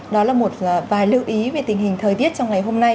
đó là một vài lưu ý về tình hình thời tiết trong ngày hôm nay